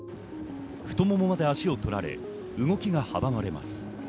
太ももまで足を取られ、動きが阻まれます。